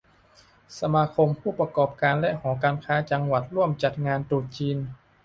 สมาคมผู้ประกอบการและหอการค้าจังหวัดร่วมจัดงานตรุษจีน